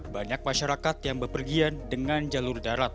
banyak masyarakat yang berpergian dengan jalur darat